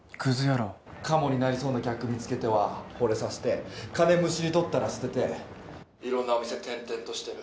カモになりそうな客見つけてはほれさせて金むしり取ったら捨てていろんなお店転々としてる。